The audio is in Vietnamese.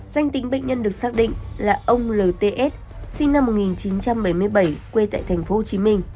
danh tính bệnh nhân được xác định là ông lts sinh năm một nghìn chín trăm bảy mươi bảy quê tại tp hcm